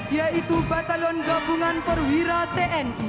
yaitu batalion raider tiga ratus braja wijaya